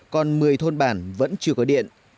còn một mươi thôn bản vẫn chưa có điện